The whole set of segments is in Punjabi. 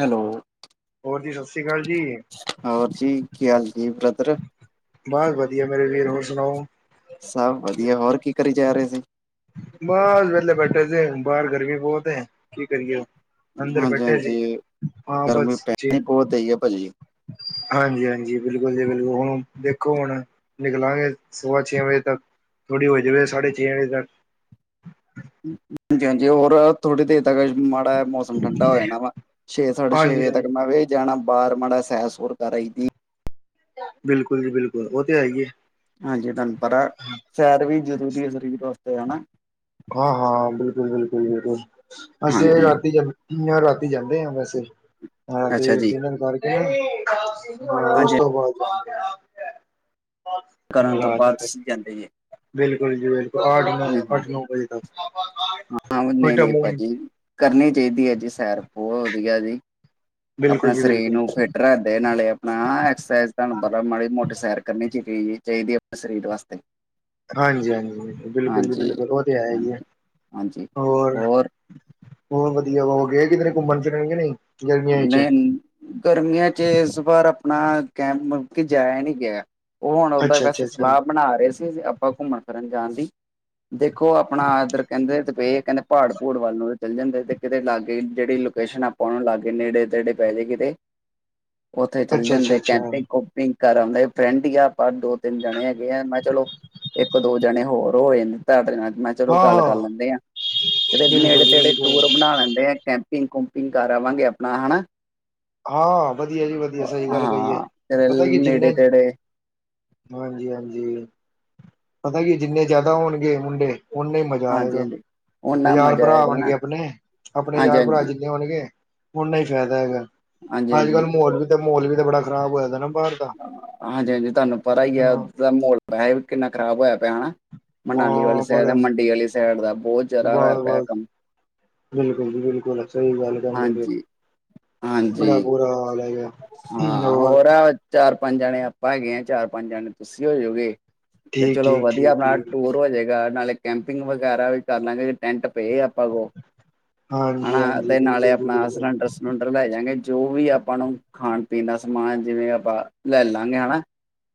ਹੈਲੋ। ਹੋਰ ਜੀ ਸਤਿ ਸ੍ਰੀ ਅਕਾਲ ਜੀ ਹੋਰ ਜੀ, ਕੀ ਹਾਲ ਜੀ ਬ੍ਰਦਰ। ਬਸ ਵਧੀਆ ਮੇਰੇ ਵੀਰ ਹੋਰ ਸੁਣਾਓ। ਸਭ ਵਧੀਆ ਹੋਰ ਕੀ ਕਰੀ ਜਾ ਰਹੇ ਸੀ। ਬਾਸ ਬੈਲੇ ਬੈਠੇ ਸੀ, ਬਾਰ ਗਰਮੀ ਬੋਤ ਏ ਕੀ ਕਰੀਏ। ਅੰਦਰ ਬੈਠੇ ਸੀ, ਹਾਂਜੀ-ਹਾਂਜੀ ਆਂ ਗਰਮੀ ਬੱਸ ਜੀ। ਪੈਣੀ ਬਹੁਤ ਹੈਈ ਹੈ ਭਾਜੀ। ਹਾਂਜੀ, ਹਾਂਜੀ। ਬਿਲਕੁਲ ਜੀ ਬਿਲਕੁਲ, ਹੁਣ ਦੇਖੋ ਹੁਣ ਨਿਕਲਾਂਗੇ ਸਵਾ ਛੇ ਵਜੇ ਤੱਕ। ਥੋੜ੍ਹੀ ਹੋ ਜਵੇ ਸਾੜੇ ਛੇ ਵਜੇ ਤੱਕ। ਹਾਂਜੀ, ਹਾਂਜੀ ਹੋਰ ਥੋੜੀ ਦੇਰ ਤਕ ਮਾ [unintelligible] ਮੌਸਮ ਠੰਡਾ ਹੋ ਜਾਣਾ ਵਾ, ਛੇ ਸਾੜੇ ਛੇ ਹਾਂਜੀ ਵਜੇ ਹਾਂਜੀ ਤੱਕ ਮ ਵੇ ਜਾਣਾ ਬਾਰ ਮਾੜਾ ਜਾ ਸੈਰ, ਸੂਰ ਕਰ ਆਈਦੀ ਬਿਲਕੁਲ ਜੀ ਬਿਲਕੁਲ, ਓਤੇ ਹੈ ਈਏ। ਹਾਂਜੀ, ਧਾਨੂੰ ਪਤਾ ਸੈਰ ਵੀ ਜਰੂਰੀ ਏ ਸਰੀਰ ਵਾਸਤੇ ਹਨਾ। ਹਾਂ, ਹਾਂ ਬਿਲਕੁਲ, ਬਿਲਕੁਲ, ਬਿਲਕੁਲ ਅਸੀਂ ਏ ਹਾਂਜੀ ਰਾਤੀ ਰਾਤੀ ਜਾਂਦੇ ਆਂ ਵੈਸੇ, ਹਾਂ ਤੇ ਅੱਛਾ ਜੀ ਡਿਨਰ ਕਰਕੇ। ਹਾਂ ਓਸ ਹਾਂਜੀ ਤੋ [unintelligible] ਕਰਨ ਤੋਂ ਬਾਅਦ [unintelligible] ਤੁਸੀਂ ਜਾਂਦੇ ਜੇ ਬਿਲਕੁਲ ਜੀ, ਬਿਲਕੁਲ ਅੱਠ, ਹੂੰ-ਹੂੰ ਅੱਠ-ਨੌਂ ਹਾਂ ਓ ਨਈ, ਨਈ ਵਿਟਾਮਿਨ ਭਾਜੀ ਕਰਨੀ ਚਾਈਦੀ ਜੀ [unintelligible] ਬਿਲਕੁਲ ਆਪਣਾ ਜੀ ਸਰੀਰ ਬਿਲਕੁਲ ਨੂੰ ਫਿੱਟ ਰੱਖਦੇ ਨਾਲੇ਼ ਆਪਣਾ, ਐਕਸਸਾਈਜ਼ ਧੂਆਨੂੰ ਪਤਾ ਮਾੜੀ-ਮੋਟੀ ਸੈਰ ਕਰਨੀ ਚਾਈਦੀ [unintelligible] ਹਾਂਜੀ, ਹਾਂਜੀ। ਬਿਲਕੁਲ ਜੀ, ਬਿਲਕੁਲ, ਓ ਤੇ ਹੈ ਈ ਏ ਹਾਂਜੀ ਹੋਰ, ਹੋਰ [unintelligible] ਚ ਨਏਨ, ਗਰਮੀਆਂ ਚ ਏਸ ਬਾਰ ਆਪਣਾ ਕੈਂਪ ਮਲਬ ਕੇ ਜਾਏਆ ਨਈ ਗੇਆ। ਓ ਹੋਣ ਓਦਾਂ ਅੱਛਾ ਕ ਅਸ ਅੱਛਾ ਅੱਛਾ ਸਲਾਅ ਬਣਾ ਰਏ ਸੀ, ਆਪਾਂ ਘੁੰਮਣ ਫਿਰਨ ਜਾਨ ਦੀ। [unintelligible] ਦੇਖੋ ਅਪਣਾ ਏਦਰ ਕੈਂਦੇ ਤੇ ਪੇ, ਕੈਂਦੇ ਭ੍ਹਾੜ- ਭੂੜ ਵੱਲ ਨੂੰ ਚੱਲ ਜਾਂਦੇ ਤੇ ਕੈਂਦੇ ਕੀਤੇ ਲਾਗੇ ਜੇੜੀ ਲੂ [unintelligible] ਨੇੜੇ-ਤੇੜੇ ਪੈ ਜੇ ਕਿ ਤੇ ਓਥੇ ਚਲ ਅੱਛਾ ਅੱਛਾ ਜਾਂਦੇ ਅੱਛਾ ਕੈਂਪਿੰਗ, ਕੂਪਿੰਗ। ਘਰ ਆਓਂਦੇ ਫਰੈਂਡ ਈ ਆ ਆਪਾਂ ਦੋ, ਤਿੰਨ ਜਣੇ ਹੈਗੇ ਆ ਮੈਂ ਚਲੋ ਏਕ ਦੋ ਜਣੇ ਹੋਰ ਹੋਏ ਨੇ [unintelligible] ਮੈਂ ਚਲੋ ਹਾਂ ਗੱਲ ਕਰ ਹਾਂ ਲੈਂਦੇ ਆਂ, ਤੇ ਬਿਲਕੁਲ ਜੀ ਨੇੜੇ-ਤੇੜੇ ਟੂਰ ਬਿਲਕੁਲ ਬਣਾ ਲੈਂਦੇ ਆ ਕੈਂਪ ਪਿੰ ਕੁੁੰਮਪਿੰਗ ਕਰ ਆਵਾਂਗੇ ਆਪਣਾ ਹਾਨਾ। ਹਾਂ, ਵਦੀਆ ਜੀ, ਵਦੀਆ, ਸਈ ਗੱਲ ਕਈ ਏ ਹਾਂ ਤੇ ਪਤਾ ਕੀ ਨੇੜੇ ਜਿੰਨੇ ਤੇੜੇ ਹਾਂਜੀ, ਹਾਂਜੀ ਪਤਾ ਕੀ ਜਿੰਨੇ ਜ਼ਿਆਦਾ ਹੋਨਗੇ ਮੁੰਡੇ ਓਨੇ ਮਜਾ ਹਾਂਜੀ ਆਏਗਾ, ਹਾਂਜੀ ਓਨਾ ਯਾਰ ਮਜ਼ਾ ਭਰਾ ਆਏਗਾ ਨਾ ਹੋਨਗੇ ਅਪਨੇ, ਅਪਨੇ ਹਾਂਜੀ ਯਾਰ ਭਰਾ ਹਾਂਜੀ ਜਿੰਨੇ ਹੋਨਗੇ ਓਨਾ ਈ ਫੈਦਾ ਹੈਗੈ, ਹਾਂਜੀ ਅੱਜ-ਕੱਲ੍ਹ ਹਾਂਜੀ ਮ੍ਹੋਲ ਵੀ ਤਾਂ ਮ੍ਹੈਲ ਵੀ ਤਾ ਬੜਾ ਖ਼ਰਾਬ ਹੋਏ ਦਾ ਨਾ ਬਾਹਰ ਦਾ ਹਾਂਜੀ, ਹਾਂਜੀ ਧਾਨੂੰ ਪਰਾ ਈ ਆ ਹਾਂ [unintelligible] [unintelligible] ਮਨਾਲੀ ਵਾਲੀ਼ ਮਾਂ ਸੈੜ ਆ, ਬੜਾ ਮੰਡੀ ਵਾਲੀ ਸੈੜ ਦਾ, ਬੋਤ ਜਿਆਦਾ ਹੋਏਆ ਬਸ ਪੇਆ ਬਸ ਕੰਮ। ਬਿਲਕੁਲ ਜੀ, ਬਿਲਕੁਲ, ਸਈ ਗੱਲ ਕੈਂਦੇ ਪੇ ਹਾਂਜੀ ਬੜਾ ਹਾਂਜੀ ਬੁਰਾ ਹਾਲ ਹੈਗਾ। ਹਾਂ ਹੋਰ ਆ, ਚਾਰ ਪੰਜ ਜਣੇ ਆਪਾਂ ਹੈਗੇ ਆਂ, ਚਾਰ ਪੰਜ ਜਾਣੇ ਤੁਸੀਂ ਹੋਜੋਗੇ ਤੇ ਠੀਕ ਚਲੋ ਠੀਕ ਵਦੀਆ ਠੀਕ ਆਪਨਾ ਠੀਕ ਟੂਰ ਹੋਜੇਗਾ ਨਾਲੇ ਕੈਂਪਿੰਗ ਵਗੈਰਾ ਵੀ ਕਰ ਲਾਂਗੇ ਟੈਂਟ ਪੇ ਆਪਾਂ ਕੋਲ, ਹਾਂਜੀ ਹਾਂ ਹਾਂਜੀ ਤੇ ਨਾਲੇ਼ ਬਿਲਕੁਲ ਜੀ ਅਪਨਾ ਬਿਲਕੁਲ ਸਲੰਡਰ ਸੂਲੰਡਰ ਲੈ ਜਾਂਗੇ ਜੋ ਵੀ ਆਪਾਂ ਣੂੰ ਖਾਣ, ਪੀਣ ਦਾ ਸਮਾਨ ਜਿਵੇਂ ਆਪਾਂ ਲੈ ਲਾਂਗੇ ਹਣਾ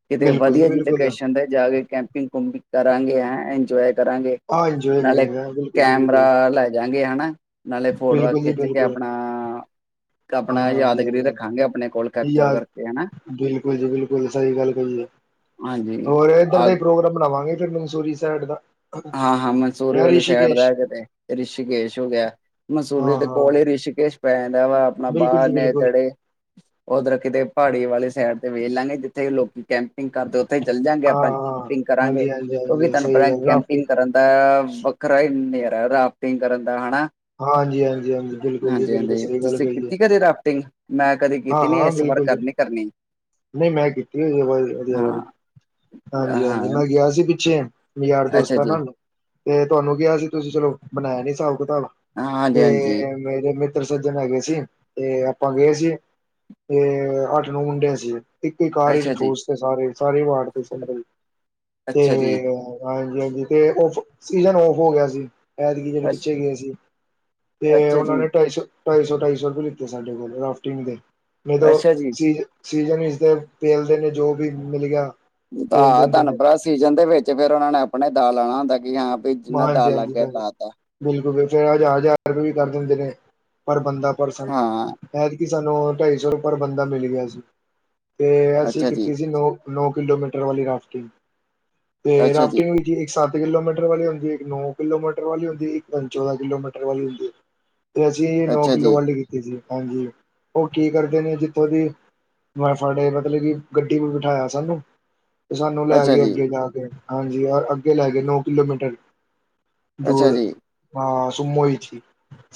ਕਿਤੇ ਬਿਲਕੁਲ ਜੀ ਵਦੀਆ ਜਿ ਬਿਲਕੁਲ ਲੂਕੇਸ਼ਨ ਤੇ ਜਾ ਕੇ, ਕੈਂਮਪਿੰਗ ਕੁਪਿੰਗ ਕਰਾਂਗੇ ਹੈਂ ਇੰਜੋਏ ਕਰਾਂਗੇ ਆ ਇੰਜੋਏ ਨਾਲੇ਼ ਕਰੇਗਾ ਬਿਲਕੁਲ ਜੀ ਬਿਲਕੁਲ ਕੈਮਰਾ ਲੈ ਜਾਂ ਹਣਾ ਨਾਲੇ਼ ਫੋਟੋਆਂ ਬਿਲਕੁਲ ਜੀ ਖਿੱਚ ਕੇ ਬਿਲਕੁਲ ਆਪਣਾ-ਆਪਣਾ ਹਾਂਜੀ ਯਾਦਗੀਰੀ ਰੱਖ ਹਾਂਜੀ ਯਾਰ, ਬਿਲਕੁਲ ਜੀ ਬਿਲਕੁਲ, ਸਈ ਗੱਲ ਕਈ ਏ ਹਾਂਜੀ ਹੋਰ ਏਦਰ ਆ ਦਾ ਈ ਪ੍ਰੋਗਰਾਮ ਬਣਾਵਾਂਗੇ ਫੇਰ ਮੰਸੂਰੀ ਸੈੜ ਦਾ ਹਾਂ, ਹਾਂ ਮੰਸੂਰੀ ਯਾਂ ਵਾਲੀ ਸੈੜ ਰਿਸ਼ੀਕੇਸ਼ ਦਾ ਕੀਤੇ ਰਿਸ਼ੀ ਕੇਸ਼ ਹੋ ਗੇਆ ਮਸੂਰੀ ਹਾਂ ਦੇ ਕੋਲ ਹਾਂ ਈ ਰਿਸ਼ਕੇਸ਼ ਪੈ ਜਾਂਦਾ ਵਾ, ਆਪਣਾ ਬਿਲਕੁਲ ਬਾਰ ਜੀ ਨੇੜੇ ਬਿਲਕੁਲ ਤੇੜੇ ਓਦਰ ਕਿਦੇ ਪ੍ਹਾੜੀ ਵਾਲੀ ਸੈੜ ਤੇ ਵ੍ਹੇ ਲਾਂਗੇ, ਜਿੱਥੇ ਲੋਕੀ ਕੈਂਪ ਕੈਮਪਿੰਗ ਕਰਦੇ ਓਥੇ ਏ ਚੱਲ ਜਾਂਗੇ ਆਪਾਂ, ਹਾਂ, ਕੈਮਪਿੰਗ ਕਰਾਂਗੇ ਓਵੀ ਹਾਂਜੀ-ਹਾਂਜੀ-ਹਾਂਜੀ ਧਾਨੂੰ ਸਹੀ ਪਤਾ ਗੱਲ ਰਾਫਟਿੰਗ ਟਿੰਗ ਕਰਨ ਦਾ ਵੱਖਰਾ ਨੇਜਾਰਾ ਰਾਫਟਿੰਗ ਕਰਨ ਦਾ ਹੈਨਾ ਹਾਂਜੀ-ਹਾਂਜੀ-ਹਾਂਜੀ ਬਿਲਕੁਲ ਜੀ ਹਾਂਜੀ, ਬਿਲਕੁਲ ਹਾਂਜੀ, ਸਹੀ ਗੱਲ ਤੁਸੀਂ ਕਹੀ ਏ। ਕੀਤੀ ਕਦੀ ਰਾਫਟਿੰਗ? ਮੈਂ ਕਦੇ ਕੀਤੀ ਨੀ ਹਾਂ-ਹਾਂ ਇਸ ਵਾਰ ਬਿਲਕੁਲ ਜੀ ਕਰਨੀ ਕਰਨੀ। ਨਹੀਂ, ਮੈਂ ਕੀਤੀ ਹੋਇ ਐ [unintelligible] ਹਾਂਜੀ-ਹਾਂਜੀ, ਹਾਂ-ਹਾਂ ਮੈਂ ਗਿਆ ਸੀ ਪਿੱਛੇ ਯਾਰ ਅੱਛਾ ਦੋਸਤਾਂ ਜੀ ਨਾਲ, ਤੇ ਤੁਹਾਨੂੰ ਕਿਹਾ ਸੀ ਤੁਸੀਂ ਚਲੋ ਬਨਾਇਆ ਨੀ ਹਸਾਬ ਤਾ ਵ ਹਾਂਜੀ-ਹਾਂਜੀ ਤੇ ਮੇਰੇ ਇੱ ਸੱਜਰ ਹੈ ਗੇ ਸੀ ਤੇ ਆਪਾਂ ਗਏ ਸੀ, ਤੇ ਅੱਠ ਨੋਂ ਮੁੰਡੇ ਸੀ ਇੱਕ ਈ ਕਾਰ ਚ ਅੱਛਾ ਜੀ ਠੂਸ ਤੇ ਸਾਰੇ, ਸਾਰੇ ਵਾਡ ਤੇ ਸੀ ਅੰਦਰ ਤੇ ਅੱਛਾ ਜੀ ਹਾਂ ਤੇ ਓਫ ਸੀਜਨ ਓਫ ਹੋ ਗਿਆ ਸੀ ਐਦਗੀ ਜਿਹੜੇ ਅੱਛ- ਪਿੱਛੇ ਗਏ ਸੀ, ਤੇ ਅੱਛਾ ਉਹਨਾਂ ਜੀ ਨੇ ਢਾਈ ਸੌ ਢਾਈ ਸੌ ਢਾਈ ਸੌ ਰੁਪਏ ਲਿੱਤੇ ਸਾਡੇ ਕੋਲੋ ਰਾਫਟਿੰਗ ਦੇ, ਨਹੀਂ ਤਾਂ ਉਹ ਅੱਛਾ ਜੀ ਸੀਜ਼ਨ, ਸੀਜ਼ਨ ਚ ਤਾਂ ਪੇਲਦੇ ਨੇ ਜੋ ਵੀ ਮਿਲ ਗਯਾ ਆ ਧਨ ਭਰਾ ਸੀਜਨ ਦੇ ਵਿੱਚ ਫੇਰ ਉਹਨਾ ਨੇ ਆਪਣੇ ਦਾ ਲਾਣਾ ਹੁੰਦਾ ਹਾਂ ਪਯੀ ਜਿੰਨਾ ਦਾ ਲੱਗ ਗਿਆ ਲਾ ਤਾ ਹ ਹਜ਼ਾਰ ਹਜ਼ਾਰ ਰੁਪਏ ਵੀ ਕਰ ਦਿੰਦੇ ਨੇ ਪਰ ਬੰਦਾ ਪਰਸਨ ਹਾਂ ਇਹ ਕਿ ਸਾਨੂੰ ਢਾਈ ਸੌ ਰੁਪਰ ਬੰਦਾ ਮਿਲ ਗਿਆ ਸੀ, ਤੇ ਅਸੀਂ ਅੱਛਾ ਜੀ ਕੀਤੀ ਸੀ ਨੋ ਨੋ ਰੀ ਕਿਲੋਮੀਟਰ ਵਾਲੀ ਰਾਫਟਿੰਗ, ਤੇ ਅੱਛਾ ਜੀ ਰਾਫਟਿੰਗ ਚ ਇੱਕ ਸੱਤ ਕਿਲੋਮੀਟਰ ਵਾਲੀ ਹੁੰਦੀ ਇੱਕ ਨੌ ਕਿਲੋਮੀਟਰ ਵਾਲੀ ਹੁੰਦੀ ਇੱਕ ਚੌਦਾਂ ਕਿਲੋਮੀਟਰ ਵਾਲੀ ਹੁੰਦੀ ਤੇ ਅਸੀਂ ਨੌ ਅੱਛਾ ਜੀ ਕਿੱਲੋ ਵਾਲੇ ਕੀਤੀ ਸੀ, ਹਾਂਜੀ ਉਹ ਕੀ ਕਰਦੇ ਨੇ ਜਿੱਥੋਂ ਦੀ ਮ ਫੜੇ ਮਤਲਬ ਕਿ ਗੱਡੀ ਵੀ ਬਿਠਾਇਆ ਸਾਨੂੰ ਤੇ ਸਾਨੂੰ ਲੈ ਅੱਛਾ ਕੇ ਜੀ ਅੱਗੇ ਜਾ ਕੇ, ਹਾਂਜੀ, ਰ ਅੱਗੇ ਲੈ ਗੇ, ਨੌ ਕਿਲੋਮੀਟਰ ਅੱਛਾ ਦੂਰ ਜੀ। ਹਾਂ ਸੁਮੋ ਇਚ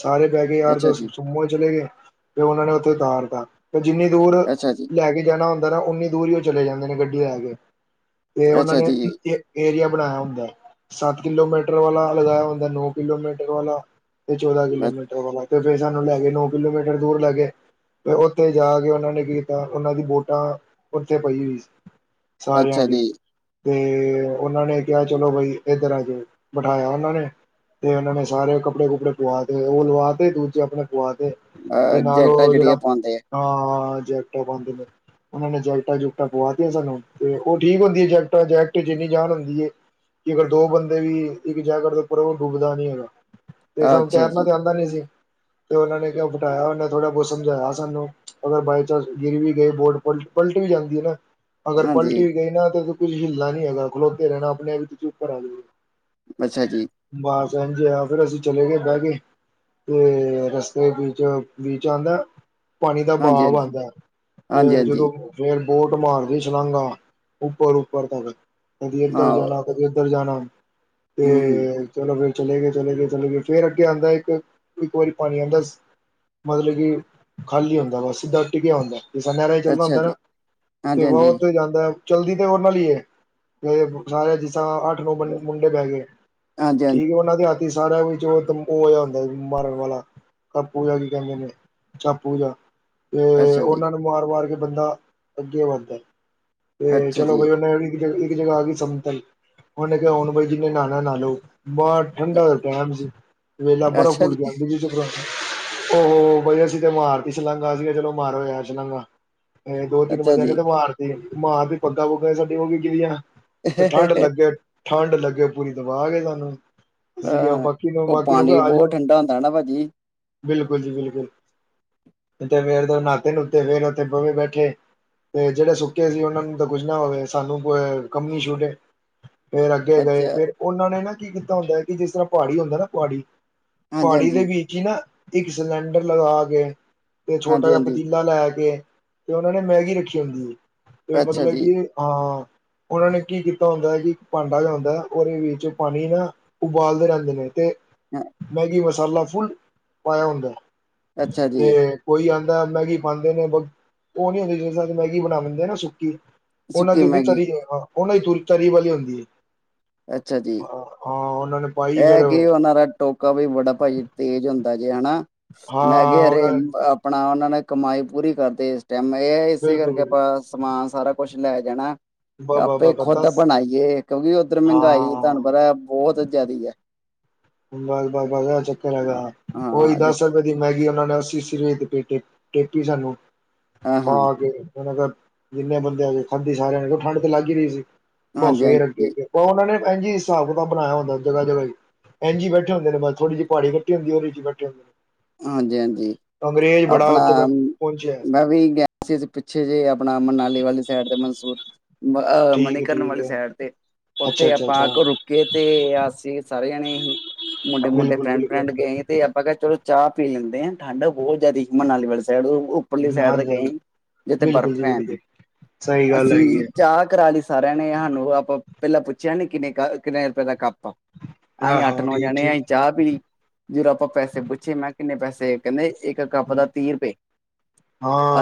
ਸਾਰੇ ਬਹਿ ਕੇ ਯਾਰ ਅੱਛਾ ਦੋਸਤ ਜੀ ਸੂਮੋ ਅ ਚ ਚਲੇ ਗਏ, ਤੇ ਉਹਨਾਂ ਨੇ ਉੱਥੇ ਉਤਾਰ ਤਾ ਤੇ ਜਿੰਨੀ ਦੂਰ ਅੱਛਾ ਜੀ ਲੈ ਕੇ ਜਾਣਾ ਹੁੰਦਾ ਨਾ ਉਨੀ ਦੂਰ ਹੀ ਉਹ ਚਲੇ ਜਾਂਦੇ ਨੇ ਗੱਡੀ ਲੈ ਕੇ ਤੇ ਉਹਨਾਂ ਅੱਛਾ ਨੇ ਜੀ ਏਰੀਆ ਬਣਾਇਆ ਹੁੰਦੈ ਸੱਤ ਕਿਲੋਮੀਟਰ ਵਾਲਾ ਲਗਾਇਆ ਹੁੰਦਾ, ਨੋ ਕਿਲੋਮੀਟਰ ਵਾਲਾ, ਤੇ ਚੌਦਾਂ ਅ- ਕਿਲੋਮੀਟਰ ਵਾਲਾ ਤੇ ਫਿਰੱ ਸਾਨੂੰ ਲੈ ਗੇ ਨੌ ਕਿਲੋਮੀਟਰ ਦੂਰ ਲੈ ਗੇ ਤੇ ਉੱਥੇ ਜਾ ਕੇ ਉਹਨਾਂ ਨੇ ਕੀ ਕੀਤਾ ਉਹਨਾਂ ਦੀ ਵੋਟਾਂ ਉੱਥੇ ਪਈ ਹੋਈ ਸੀ ਸਾਰਿਆਂ ਅੱਛਾ ਦੀ ਜੀ ਤੇ ਉਹਨਾਂ ਨੇ ਕਿਹਾ ਚਲੋ ਬਾਈ ਇਏਧਰ ਆ ਜੋ, ਬਿਠਾਇਆ ਉਹਨਾਂ ਨੇ ਤੇ ਉਹਨਾਂ ਨੇ ਸਾਰੇ ਕੱਪੜੇ ਕੁੱਪੜੇ ਪਆ ਤੇ ਉਹ ਲਵਾ ਤੇ ਦੂਜੇ ਆਪਣੇ ਪਵਾ ਤੇ, ਅ, ਤੇ ਨਾਲ ਜੈਕਟਾਂ ਉਹ ਜਿਹੜੀਆਂ ਜਿਹੜਾ ਪਾਉਂਦੇ ਅਹ ਜੈਕਟਾ ਪਾਂਦੇ ਨੇ ਉਹਨਾਂ ਨੇ ਜੈਕਟਾਂ ਜੁਕਟਾਂ ਪਵਾਤੀਆਂ ਸਾਨੂੰ, ਤੇ ਉਹ ਠੀਕ ਹੁੰਦੀ ਹੈ ਜੈਕਟਾਂ ਜੈਕਟ ਜਿੰਨੀ ਜਾਨ ਹੁੰਦੀ ਹੈ ਕਿ ਅਗਰ ਦੋ ਬੰਦੇ ਵੀ ਇੱਕ ਜੈਕਟ ਦੇ ਉੱਪਰ ਉਹ ਡੁੱਬਦਾ ਨਹੀਂ ਹੈਗਾ ਤੇ ਆ ਸਾਨੂੰ ਅੱਛਾ ਤੈਰਨਾ ਜੀ ਤੇ ਆਂਦਾ ਨੀ ਸੀ ਤੇ ਉਹਨਾਂ ਨੇ ਕਿਹਾਉ ਬਿਠਾਇਆ ਉਹਨੇ ਥੋੜ੍ਹਾ ਬਹੁਤ ਸਮਝਾਇਆ ਸਾਨੂੰ ਅਗਰ ਬਾਈਚਾਂਸ ਗਿਰ ਵੀ ਗਏ ਬੋਟ ਪਲਟ ਪਲਟ ਵੀ ਜਾਂਦੀ ਏ ਨਾ ਅਗਰ ਹਾਂਜੀ ਪਲਟੀ ਗਈ ਨਾ ਤੇ ਤੁਸੀ ਹਿੱਲਣਾ ਨੀ ਹੈਗਾ, ਖਲੋਤੇ ਰਹਿਣਾ ਆਪਣੇ ਆਪ ਤੁਸੀਂ ਉੱਪਰ ਆ ਜੋਗੇ। ਅੱਛਾ ਜੀ। ਜੀ ਹਾਂ ਫਿਰ ਅਸੀਂ ਚਲੇ ਗਏ ਬਹਿ ਕੇ ਤੇ ਰਸਤੇ ਵਿੱਚ ਬੀਚ ਆਂਦਾ। ਪਾਣੀ ਦਾ ਹਾਂਜੀ ਬਾਵ ਹਾਂਜੀ ਵੱਗਦਾ, ਹਾਂਜੀ ਤੇ ਹਾਂਜੀ ਜਦੋਂ ਫੇਰ ਬੋਟ ਮਾਰਦੀ ਸ਼ਾਲਾਂਗਾ, ਉੱਪਰ ਉੱਪਰ ਤੱਕ ਕਦੇ ਹਾਂ ਇੱਧਰ ਜਾਣਾ ਹੂੰ ਕਦੇ ਜਾਣਾ ਹੂੰ, ਤੇ ਚਲੋ ਫੇਰ ਚਲੇ ਗਏ, ਚਲੇ ਗਏ, ਚਲੇ ਗਏ, ਫਿਰ ਅੱਗੇ ਆਂਦਾ ਇੱਕ ਇੱਕ ਵਾਰੀ ਪਾਣੀ ਆਂਦਾ ਮਤਲਬ ਕਿ ਖਾਲੀ ਹੁੰਦਾ, ਬਸ ਸਿੱਧਾ ਟਿਕਿਆ ਹੁੰਦਾ। ਜਿਸਰਾ ਨੇਹਰਾ ਚ ਚੱਲਦਾ ਅੱਛਾ ਹੁੰਦਾ ਨਾ, ਜੀ ਤੇ ਹਾਂਜੀ ਬਹੁਤ ਹੀ ਜਾਂਦਾ ਚਲਦੀ ਤੇ ਉਹਨਾਂ ਨਾਲ ਹੀ ਕਿਨਾਰਿਆ ਐ ਅਠ ਨੌ ਮੁੰਡੇ ਬਹਿ ਗੇ, ਹਾਂਜੀ ਹਾਂਜੀ ਠੀਕ ਐ ਉਹਨਾਂ ਦੀ ਸਾਰਿਆਂ ਵਿੱਚ ਉਹ ਹੁੰਦਾ ਮਾਰਨ ਵਾਲਾ ਕਪੂ ਜਿਹਾ ਕੀ ਕਹਿੰਦੇ ਨੇ ਚਪੂ ਜਿਹਾ ਹਾਂਜੀ ਤੇ ਅੱਛਾ ਜੀ ਉਹਨਾਂ ਨੂੰ ਮਾਰ ਮਾਰ ਕੇ ਬੰਦਾ ਅੱਗੇ ਵੱਧਦਾ ਤੇ ਅੱਛਾ ਚਲੋ ਜੀ ਬਈ ਉਹਨਾਂ ਦੀ ਇੱਕ ਜਗ੍ਹਾ ਆ ਗਈ ਸਮਤਲ, ਉਹਨੇ ਕਿਹਾ ਹੁਣ ਬਾਈ ਜਿੰਨੇ ਨਹਾਨਾ ਨਹਾ ਲੋ। ਬੋਤ ਠੰਡਾ ਦਾ ਟਾਈਮ ਸੀ, ਵੇਲਾ ਬਰਫ਼ ਅੱਛਾ ਘੁਲ ਜੀ ਕੇ ਆਂਦੀ ਸੀ। ਉਹ ਹੋ ਬਈ ਅਸੀ ਤੇ ਮਾਰਤੀ ਸ਼ਲਾਂਘਾ, ਅਸੀ ਕਿਹਾ ਚਲੋ ਮਾਰੋ ਯਾਰ ਸ਼ਲਾਂਘਾ। ਇਹ ਦੋ ਤਿੰਨ ਅੱਛਾ ਬੰਦਿਆਂ ਨੇ ਜੀ ਤੇ ਮਾਰਤੀ, ਮਾਰ ਕੇ ਪੱਗਾਂ ਪੁੱਗਾਂ ਸਾਡੀਆਂ ਹੋ ਗੀ ਗਿਲੀਆਂ। [unintelligible] ਠੰਢ ਲੱਗੇ ਪੂਰੀ ਦਬਾ ਕੇ ਸਾਨੂੰ ਅਸੀ ਕਿਹਾ, ਅ ਬਾਕੀ ਨੂੰ ਉਹ ਬਾਕੀ ਨੂੰ ਕਹੋ ਪਾਣੀ ਆ ਬਹੁਤ ਜੋ। ਠੰਡਾ ਹੁੰਦਾ ਨਾ ਭਾਜੀ ਬਿਲਕੁਲ ਜੀ ਬਿਲਕੁਲ, ਤੇ ਫੇਰ ਨਾਤੇ ਨੁਤੇ ਫੇਰ ਉੱਥੇ ਬਵੇ ਬੈਠੇ। ਤੇ ਜਿਹੜੇ ਸੁੱਕੇ ਸੀ, ਉਹਨਾਂ ਨੂੰ ਤਾਂ ਕੁੱਝ ਨਾ ਹੋਵੇ, ਸਾਨੂੰ ਕੋ ਕੰਬਣੀ ਛੂਟੇ। ਫੇਰ ਅੱਗੇ ਗਏ, ਅੱਛਾ ਫੇਰ ਉਹਨਾਂ ਨੇ ਨਾ ਕੀ ਕੀਤਾ ਹੁੰਦਾ ਕਿ ਜਿਸ ਤਰ੍ਹਾਂ ਪਹਾੜੀ ਹੁੰਦਾ ਨਾ ਪਹਾੜੀ ਹਾਂਜੀ ਪਹਾੜੀ ਦੇ ਹਾਂਜੀ ਵਿੱਚ ਹੀ ਨਾ ਇੱਕ ਸਿਲੰਡਰ ਲਗਾ ਕੇ ਤੇ ਛੋਟਾ ਹਾਂਜੀ ਜਿਹਾ ਹਾਂਜੀ ਪਤੀਲਾ ਲੈ ਕੇ, ਤੇ ਉਹਨਾਂ ਨੇ ਮੈਗੀ ਰੱਖੀ ਹੁੰਦੀ ਏ। ਤੇ ਅੱਛਾ ਮਤਲਬ ਜੀ ਕਿ ਹਾਂ, ਉਹਨਾਂ ਨੇ ਕੀ ਕੀਤਾ ਹੁੰਦਾ ਏ ਇੱਕ ਭਾਂਡਾ ਜਿਹਾ ਹੁੰਦਾ, ਉਹਦੇ ਵਿੱਚ ਪਾਣੀ ਨਾ ਉਬਾਲਦੇ ਰਹਿੰਦੇ ਨੇ, ਤੇ ਹਾਂ, ਮੈਗੀ ਮਸਾਲਾ ਫੁੱਲ ਪਾਇਆ ਹੁੰਦਾ ਅੱਛਾ ਜੀ ਤੇ ਕੋਈ ਆ ਮੈਗੀ ਪਾਂਦੇ ਨੇ ਬ, ਉਹ ਨੀ ਹੁੰਦੀ ਸਾਨੂੰ ਮੈਗੀ ਬਣਾ ਦਿੰਦੇ ਨਾ ਸੁੱਕ ਉਹਨਾਂ ਸੁੱਕੀ ਦੀ ਹੁੰਦੀ ਮੈਗੀ ਤਰੀ ਹਾਂ, ਉਹਨਾਂ ਦੀ ਤਰੀ ਤਰੀ ਵਾਲੀ ਹੁੰਦੀ ਅੱਛਾ ਜੀ ਆ। ਹਾਂ, ਹਾਂ। ਨੇ ਪਾਈ ਫਿਰ ਇਹ ਕੀ ਉਹਨਾਂ ਦਾ ਟੋਕਾ ਵੀ ਬੜਾ ਪਾਜੀ ਤੇਜ਼ ਹੁੰਦਾ ਜੇ ਹਨਾਂ। ਹਾਂ ਮੈਂ ਕਿਹਾ ਅਰੇ ਉਹਨਾਂ ਨੇ ਆਪਣਾ ਉਹਨਾਂ ਨੇ ਕਮਾਈ ਪੂਰੀ ਕਰਦੇ ਇਸ ਟਾਈਮ, ਮੈ ਇਸੇ ਬਿਲਕੁਲ ਕਰਕੇ ਬਿਲਕੁਲ ਆਪਾਂ ਸਮਾਨ ਸਾਰਾ ਕੁਛ ਲੈ ਜਾਣਾ। ਬ ਆਪੇ ਬ ਬ ਖੁਦ ਦੱਸ ਬਣਾਈਏ ਕਿਉਂਕਿ ਉੱਧਰ ਮਹਿੰਗਾਈ ਹਾਂ ਤੁਹਾਨੂੰ ਪਤਾ ਬੋਤ ਬਸ, ਬਸ, ਬਸ, ਇਹ ਚੱਕਰ ਹਾਂ ਹੈਗਾ, ਊਈਂ ਹਾਂ ਜਿ- ਦਸ ਰੁਪਏ ਦੀ ਮੈਗੀ ਉਹ ਨੇ ਅੱਸੀ ਅੱਸੀ ਰੁਪਏ ਪੇਟੀ ਟੇਪੀ ਸਾਨੂੰ ਹਾਂ ਹਾਂ, ਪਾ ਕੇ ਜਿੰਨੇ ਬੰਦੇ ਹੈਗੇ ਖਾਦੀ ਸਾਰਿਆਂ ਨੇ ਠੰਢ ਤੇ ਲੱਗ ਹੀ ਰਹੀ ਸੀ। ਹਾਂਜੀ ਫੇਰ ਅੱਗੇ ਹਾਂਜੀ ਅੱਗੇ ਉਹਨਾ ਨੇ ਇੰਝ ਹਿਸਾਬ ਕਿਤਾਬ ਬਣਾਇਆ ਹੁੰਦਾ, ਜਗ੍ਹਾ ਜਗ੍ਹਾ ਹੀ। ਇੰਝ ਬੈਠੇ ਹੁੰਦੇ ਬਸ ਥੋੜੀ ਜਿਹੀ ਪਹਾੜੀ ਕੱਟੀ ਹੁੰਦੀ, ਉਹਦੇ ਚ ਬੈਠੇ ਹੁੰਦੇ ਨੇ। ਹਾਂਜੀ, ਹਾਂਜੀ। ਅੰਗਰੇਜ਼ ਬੜਾ ਆਪਣਾ ਉੱਥੇ ਪਹੁੰਚਿਆ ਮੈਂ ਵੀ ਗਿਆ ਸੀ ਪਿੱਛੇ ਜਿਹੇ, ਆਪਣਾ ਮੰਨਾ ਮਨਾਲੀ ਵਾਲੀ ਸਾਈਡ ਤੇ ਮਨਸੂਰ ਠੀਕ ਹੈ ਮਨੀਕਰਨ ਠੀਕ ਵਾਲੀ ਹੈ ਸਾਈਡ ਤੇ ਅੱਛਾ ਉੱਥੇ ਅੱਛਾ ਆਪਾਂ ਅੱਛਾ ਕੋ ਰੁਕੇ ਤੇ ਅਸੀਂ ਸਾਰੇ ਜੰਣੇ ਹੀ ਮੁੰਡੇ, ਮੁੰਡੇ, ਬਿਲਕੁਲ ਫਰੈਂਡ, ਬਿਲਕੁਲ ਫਰੈਂਡ ਗਏ ਤੇ ਆਪਾਂ ਚਲੋ ਚਾਹ ਪੀ ਲੈਂਦੇ ਹਾਂ, ਠੰਡ ਬਹੁਤ ਜ਼ਿਆਦਾ ਸੀ ਮਨਾਲੀ ਵਾਲੀ ਸਾ [unintelligible] ਉੱਪਰ ਲੀ ਸਾਈਡ ਤੇ ਹਾਂਜੀ ਗਏ ਹਾਂਜੀ ਸੀ, ਜਿੱਥੇ ਬਰਫ਼ ਬਿਲਕੁਲ ਜੀ ਪੈਣ ਦੀ। ਬਿਲਕੁਲ ਸਹੀ ਗੱਲ ਹੈਗੀ ਅਸੀਂ ਹੈ ਚਾਹ ਕਰਾ ਲਈ ਸਾਰਿਆਂ ਨੇ ਸਾਨੂੰ ਆਪਾਂ ਪਹਿਲਾਂ ਪੁੱਛਿਆ ਨੀ ਕਿੰਨੇ ਕ ਕਿੰਨੇ ਰੁਪਏ ਦਾ ਕੱਪ ਅਸੀਂ ਹਾਂ ਅੱਠ ਹਾਂ ਨੌਂ ਠੀਕ ਜਾਣੇ ਠੀਕ ਅਸੀਂ ਚਾਹ ਪੀ ਲੀ, ਜਦੋਂ ਆਪਾਂ ਪੈਸੇ ਪੁਛ ਮੈਂ ਕਿੰਨੇ ਪੈਸੇ, ਕਹਿੰਦੇ ਇੱਕ ਕੱਪ ਦਾ ਤੀਹ ਰੁਪਏ,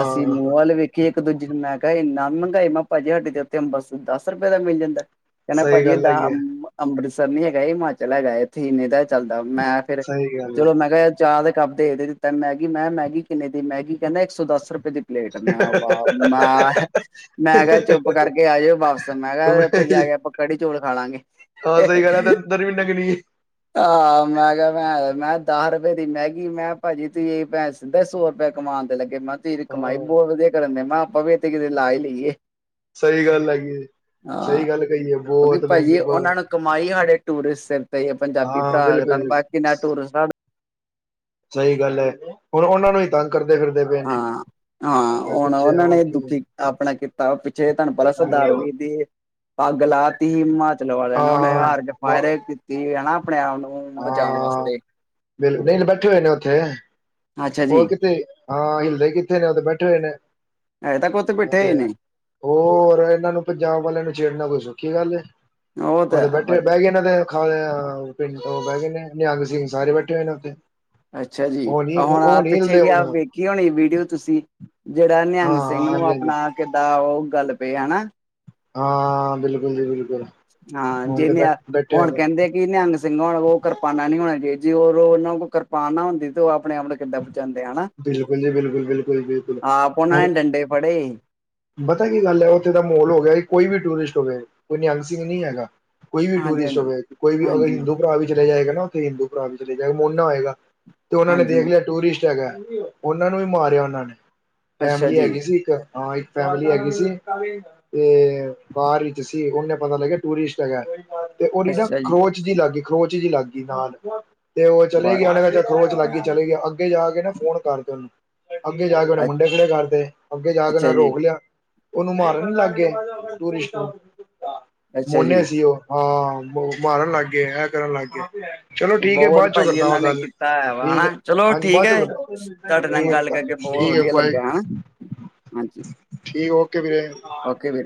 ਅਸੀਂ ਮੂੰਹ ਵਾਲ ਵੇਖੀਏ ਇੱਕ ਦੂਜੇ ਨੂੰ ਮੈਂ ਕਿਹਾ ਇੰਨਾ ਮਹਿੰਗਾਈ, ਮੈਂ ਪਾਜੀ ਸਾਡੇ ਉੱਤੇ ਅੰਬਰਸਰ ਦਸ ਰੁਪਏ ਦਾ ਮਿਲ ਜਾਂਦਾ। ਕਹਿੰਦਾ ਸਹੀ ਪਾਜੀ ਗੱਲ ਦਾ ਹੈਗੀ ਹੈ, ਅੰਮ੍ਰਿਤਸ ਨੀ ਹੈਗਾ, ਹਿਮਾਚਲ ਹੈਗਾ ਇੱਥੇ ਹੀੰਨੀ ਤਾਂ ਚੱਲਦਾ, ਮੈਂ ਫੇਰ ਸਹੀ ਗੱਲ ਹੈ। ਚਲੋ ਮੈਂ ਕਿਹਾ ਚਾਹ ਦੇ ਕਪ ਦੇ ਤਾ ਦਿੱਤਾ, ਮੈਗੀ ਮੈਂ ਮੈਗੀ ਕਿੰਨੇ ਦੀ, ਮੈਗੀ ਕਹਿੰਦਾ ਇੱਕ ਸੌ ਦਸ ਰੁਪਏ ਦੀ ਪਲੇਟ, ਮੈਂ ਉਹ ਵ ਮੈਂ ਮੈਂ ਕਿਹਾ ਚੁੱਪ ਕਰਕੇ ਆ ਜਾਓ ਵਾਪਸ, ਮੈਂ ਕਿਹਾ ਉੱਥੇ ਜਾ ਕੇ ਆਪਾਂ ਕੜੀ ਚੋਲ ਖਾ ਲਾਂਗੇ। ਹਾਂ ਸਹੀ ਗੱਲ ਹੈ ਤਾਂ ਅੰਦਰ ਵੀ ਨੰਗਣੀ ਹੈ। ਆਂ, ਮੈਂ ਕਿਹਾ ਮੈਂ ਦਾਹ ਰੁ ਪੈ ਦੀ ਮੈਗੀ, ਮੈਂ ਪਾਜੀ ਤੁਹੀ ਪੈ ਇਹ ਸਿੱਧਾ ਸੌ ਰੁਪਏ ਕਮਾਨ ਦੇ ਲੱਗੇ ਮੈਂ ਕਿਹਾ ਤੇਰੀ ਕਮਾਈ ਹਾਂ ਬੋਤ ਵਧੀਆ ਕਰੰਦੇ, ਮੈਂ ਕਿਆ ਆਪਾ ਵੀ ਇਥੇ ਕਿਦੇ ਲਾ ਈ ਲਈਏ। ਸਹੀ ਗੱਲ ਹੈਗੀ ਜੀ। ਹਾਂ, ਕਿਉਂਕਿ ਪਾਜੀ ਉਹਨਾਂ ਬਹੁਤ ਨੂੰ ਕਮਾਈ ਹੀ ਸਾਡੇ ਟੂਰਿਸਟ ਸਿਰ ਤੇ ਪੰਜਾਬੀ ਹਾਂ ਪਰਾ [unintelligible] ਬਿਲਕੁਲ ਬਾਕੀ [unintelligible] ਸਹੀ ਗੱਲ ਐ, ਹੁਣ ਉਹਨਾਂ ਨੂੰ ਹੀ ਤੰਗ ਕਰਦੇ ਫਿਰਦੇ ਪਏ ਨੇ। ਆਂ, ਮੈਂ ਹੁਣ ਪਿੱਛੇ ਉਹਨਾਂ ਹੁਣ ਨੇ ਕੀ ਹਾਂ ਦੁਖੀ ਕੀਤਾ ਆਪਣਾ ਕੀਤਾ ਪਿੱਛੇ ਤੁਹਨੂੰ ਪਤਾ ਹਾਂ ਸਰਦਾਰ ਵੀਰ ਦੀ ਅੱਗ ਲਾ ਤੀ ਹਿਮਾਚਲ ਵਾਲਿਆਂ ਨੇ ਉਹੇ ਹਾਰ ਕੇ ਫਾਇਰਿੰਗ ਕੀਤੀ ਹਨਾ। ਆਪਣੇ ਆਪ ਨੂੰ ਬਚਾਉਣ ਆਂ, ਵਾਸਤੇ ਬਿਲ ਨਹੀਂ ਬੈਠੇ ਹੋਏ ਨੇ ਉੱਥੇ। ਅੱਛਾ ਉਹ ਜੀ ਕਿਥੇ, ਹਾਂ, ਹਿਲਦੇ ਕਿੱਥੇ ਨੇ ਉਹ ਤੇ ਬੈਠੇ ਹੋਏ ਨੇ। ਹਜੇ ਤੱਕ ਉੱਥੇ ਬੈਠੇ ਹੋਏ ਤੇ ਨੇ ਹੋਰ ਇਹਨਾਂ ਨੂੰ ਪੰਜਾਬ ਵਾਲਿਆਂ ਨੂੰ ਛੇੜਨਾ ਕੋਈ ਸੌਖੀ ਗੱਲ ਏ। ਉਹ ਤਾਂ ਊਦੇ ਹੈ ਬੈਠੇ ਭਾਜੀ ਬਹਿ ਗੇ ਨਾਂ ਉਹ ਬਹਿ ਗਏ ਨੇ ਨਿਹੰਗ ਸਿੰਘ ਸਾਰੇ ਬੈਠੇ ਹੋਏ ਨੇ ਉੱਥੇ। ਅੱਛਾ ਜੀ, ਉਹ ਨੀ ਹੁਣ ਉਹ ਆਪ ਨੀ ਪਿੱਛੇ ਹਿਲਦੇ ਜੀ ਹੁਣ ਆਪ ਹਾਂ ਵੇਖੀ ਹੋਣੀ ਵੀਡੀਓ ਤੁਸੀਂ। ਜਿਹੜਾ ਨਿਹੰਗ ਹਾਂ ਸਿੰਘ ਨੂੰ ਹਾਂਜੀ ਹਾਂਜੀ ਆਪਣਾ ਕਿੱਦਾਂ ਉਹ ਗੱਲ ਪਏ ਹੇਨਾ। ਹਾਂ ਬਿਲਕੁਲ ਜੀ ਬਿਲਕੁਲ। ਆਂ, ਹੁਣ ਜੇ ਤੇ ਬੈ ਨ ਬੈਠੇ ਹੋਏ ਹੁਣ ਨੇ ਕਹਿੰਦੇ ਕਿ ਨਿਹੰਗ ਸਿੰਘ ਹੋਣਾ ਉਹ ਕਿਰਪਾਨਾ ਨੀ ਹੋਣਾ ਜੀ ਉੰ ਰੋ ਨਾ ਕੋਲ ਕਿਰਪਾਨ ਨਾ ਹੁੰਦੀ ਤੇ ਉਹ ਅਪ ਆਪਣੇ ਆਪ ਨੂੰ ਕਿਦਾ ਬਚਾਂਦੇ ਹਨਾ, ਬਿਲਕੁਲ ਜੀ ਬਿਲਕੁਲ ਬਿਲਕੁਲ ਬਿਲਕੁਲ ਆਪ ਉਹਨਾਂ ਹੁਣ ਨੇ ਡੰਡੇ ਫੜੇ ਪਤਾ ਕੀ ਗੱਲ ਐ, ਉੱਥੇ ਦਾ ਮਾਹੌਲ ਹੋ ਗਿਆ ਕੋਈ ਵੀ ਟੂਰਿਸਟ ਹੋਵੇ ਕੋਈ ਨਿਯੰਗ ਸਿੰਘ ਨੀ ਹੈਗਾ ਕੋਈ ਵੀ ਹਾਂਜੀ ਟੂਰਿਸਟ ਹਾਂਜੀ ਹੋਵੇ, ਕੋਈ ਵੀ ਅਗਰ ਹਾਂਜੀ ਹਿੰਦੂ ਪਰਾ ਵੀ ਚਲਾ ਜਾਏਗਾ ਨਾ, ਉੱਥੇ ਹਿੰਦੂ ਪਰਾ ਵੀ ਚਲੇ ਜਾਏਗਾ ਮੋਨਾ ਹੋਏਗਾ। ਤੇ ਉਹਨਾਂ ਨੇ ਦੇਖ ਹਾਂਜੀ ਲਿਆ ਟੂਰਿਸਟ ਹੈਗਾ ਉਹਨਾਂ ਨੂੰ ਵੀ ਮਾਰਿਆ ਉਹਨਾਂ ਨੇ। ਅੱਛਾ ਫੈਮਲੀ ਜੀ ਹੈਗੀ ਸੀ ਇੱਕ ਹਾਂ ਇਕ ਫੈਮਲੀ ਹੈਗੀ ਸੀ, ਤੇ ਬਾਰ ਵਿੱਚ ਸੀ ਉੰਨੇ ਪਤਾ ਲੱਗਿਆ ਟੂਰਿਸਟ ਹੈਗਾ। ਤੇ ਓਰੀਡਾ ਖਰੋਚ ਜੀ ਲਾਗੀ, ਖਰੋਚ ਜੀ ਲੱਗ ਗਈ ਨਾਲ ਤੇ ਉਹ ਚਲੇ ਵਾਹ ਗਏ ਤੇ ਸੋਚ ਲੱਗ ਗਈ ਚਲੇ ਗਿਆ ਅੱਗੇ ਜਾ ਕੇ ਨਾ ਫੋਨ ਕਰ ਦ ਅੱਗੇ ਜਾ ਕੇ ਉੰਨੇ ਮੁੰਡੇ ਖੜੇ ਕਰਤੇ, ਅੱਗੇ ਜਾ ਕੇ ਨਾ ਅੱਛਾ ਰੋ ਜੀ ਉਹਨੂੰ ਮਾਰਨ ਲੱਗ ਗਏ ਟੂਰਿਸਟ ਨੂੰ, ਅੱਛਾ ਮੋਨੇ ਜੀ ਸੀ ਉਹ, ਆਂ। ਮਾਰਨ ਲੱਗ ਗਏ, ਐ ਕਰਨ ਲੱਗ ਗਏ। ਚਲੋ ਠੀਕ ਹੈ ਬੋਤ ਬਾਅਦ ਚੋਂ ਪਾਜੀ ਕਰਦਾ ਵਾਂ ਇਹਨਾਂ ਨੇ ਗੱਲ ਕੀਤਾ ਹੈ ਠੀਕ ਵਾ, ਚਲੋ ਹਾਂਜੀ ਠੀਕ ਬਾਅਦ ਚੋਂ ਹ ਕਰੋ ਠੀਕ ਹੈ ਤੁਹਾਡੇ ਨਾਲ ਗੱਲ ਕਰਕੇ ਬੋਤ ਠੀਕ ਹੈ ਵਧੀਆ ਬਾਏ ਲੱਗਿਆ ਹੇਨਾ, ਹਾਂਜੀ। ਠੀਕ ਓ ਕੇ ਵੀਰੇ। ਓਕੇ ਵੀਰੇ